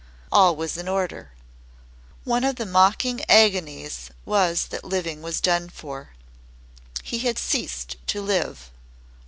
All was in order. One of the mocking agonies was that living was done for. He had ceased to live.